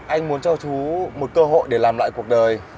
anh muốn cho chú một cơ hội để làm lại cuộc đời